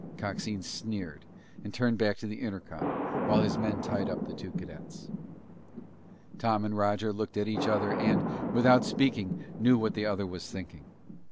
Coxine sneered and turned back to the intercom while his men tied up the two cadets. Tom and Roger looked at each other and, without speaking, knew what the other was thinking.